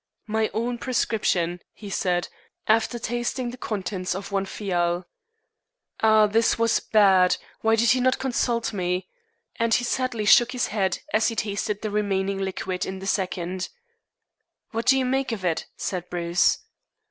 "My own prescription," he said, after tasting the contents of one phial. "Ah, this was bad; why did he not consult me?" and he sadly shook his head as he tasted the remaining liquid in the second. "What do you make of it?" said Bruce.